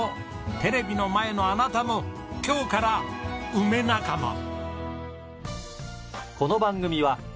テレビの前のあなたも今日から梅仲間。